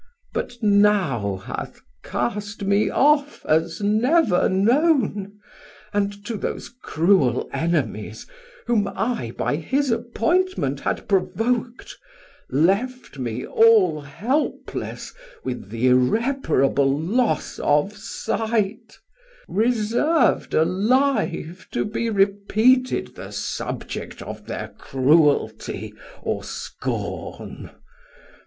640 But now hath cast me off as never known, And to those cruel enemies, Whom I by his appointment had provok't, Left me all helpless with th' irreparable loss Of sight, reserv'd alive to be repeated The subject of thir cruelty, or scorn.